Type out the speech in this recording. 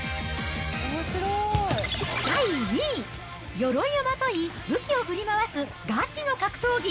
第２位、よろいをまとい、武器を振り回すガチの格闘技！